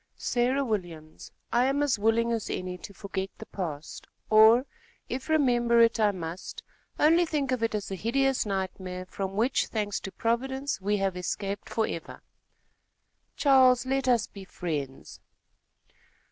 "Sarah Williams, I am as willing as any to forget the past, or, if remember it I must, only think of it as a hideous nightmare from which, thanks to Providence, we have escaped forever." "Charles, let us be friends."